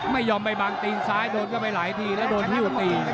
ไม่ยอมไปบางตีนซ้ายโดนเข้าไปหลายทีแล้วโดนฮิ้วตี